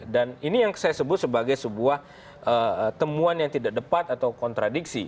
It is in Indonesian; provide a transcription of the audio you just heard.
dan ini yang saya sebut sebagai sebuah temuan yang tidak depat atau kontradiksi